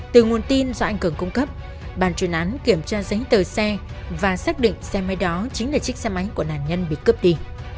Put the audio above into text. từ nguồn tin do anh cường cung cấp bàn truyền án kiểm tra giấy tờ xe và xác định xe máy đó chính là chiếc xe máy của nạn nhân bị cướp đi